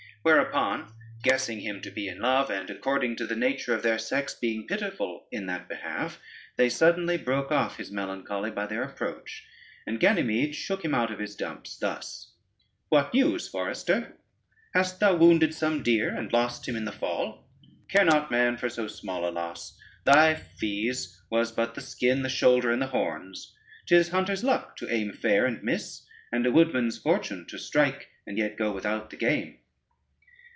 Whereupon, guessing him to be in love, and according to the nature of their sex being pitiful in that behalf, they suddenly brake off his melancholy by their approach, and Ganymede shook him out of his dumps thus: "What news, forester? hast thou wounded some deer, and lost him in the fall? Care not man for so small a loss: thy fees was but the skin, the shoulder, and the horns: 'tis hunter's luck to aim fair and miss; and a woodman's fortune to strike and yet go without the game."